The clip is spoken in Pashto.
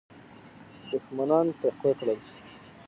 دښمنان تقویه کړل.